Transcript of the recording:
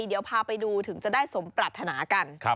เดี๋ยวพาไปดูถึงจะได้สมปรัฐนากัน